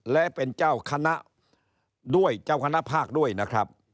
และเป็นเจ้าคณะด้วยเจ้าคณะภาคด้วยนะครับ